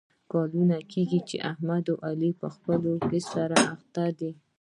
کلونه کېږي چې احمد او علي په خپلو کې سره اخته دي.